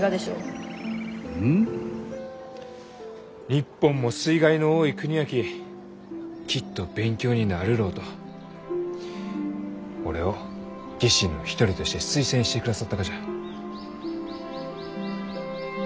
日本も水害の多い国やききっと勉強になるろうと俺を技師の一人として推薦してくださったがじゃ。